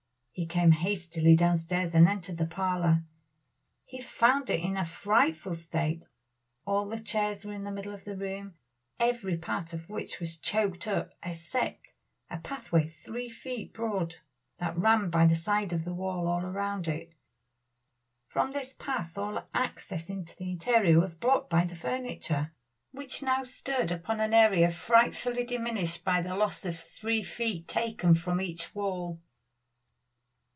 He came hastily downstairs and entered the parlor; he found it in a frightful state. All the chairs were in the middle of the room, every part of which was choked up except a pathway three feet broad that ran by the side of the wall all round it. From this path all access into the interior was blocked by the furniture, which now stood upon an area frightfully diminished by this loss of three feet taken from each wall.